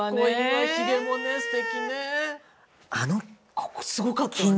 ここすごかったわね